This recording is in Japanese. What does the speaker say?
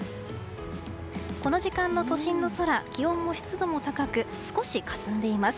この時間の都心の空気温も湿度も高く少しかすんでいます。